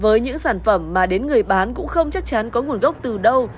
với những sản phẩm mà đến người bán cũng không chắc chắn có nguồn gốc từ đâu